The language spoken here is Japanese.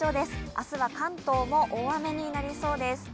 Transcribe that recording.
明日は関東も大雨になりそうです。